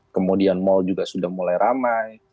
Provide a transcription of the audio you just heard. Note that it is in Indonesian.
kemudian mal juga sudah mulai ramai